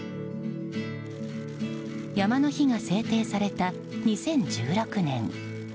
山の日が制定された２０１６年。